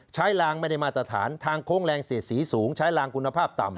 ใช้รางไม่ได้มาตรฐานทางโค้งแรงสีสูงใช้รางกุณภาพต่ำ